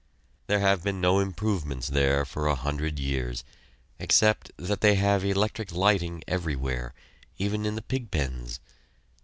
There have been no improvements there for a hundred years, except that they have electric lighting everywhere, even in the pig pens.